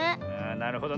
なるほどね。